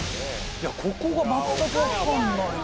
・いやここが全く分からないな。